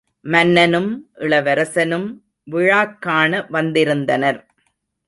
மன்னனும், இளவரசனும் விழாக் காண வந்திருந்தனர்.